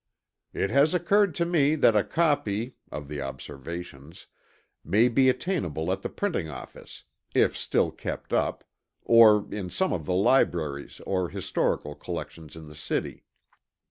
"It has occurred to me that a copy (of the Observations) may be attainable at the printing office, if still kept up, or in some of the libraries or historical collections in the city.